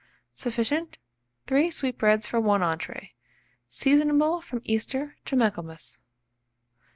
Sufficient 3 sweetbreads for 1 entrée. Seasonable from Easter to Michaelmas.